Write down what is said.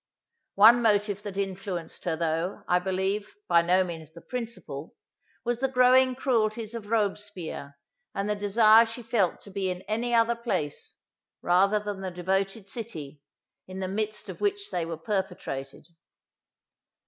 One motive that influenced her, though, I believe, by no means the principal, was the growing cruelties of Robespierre, and the desire she felt to be in any other place, rather than the devoted city, in the midst of which they were perpetrated.